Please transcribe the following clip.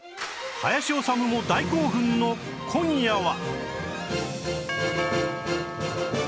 林修も大興奮の今夜は